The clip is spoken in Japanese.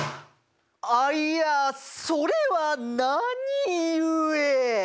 あいやそれは何故？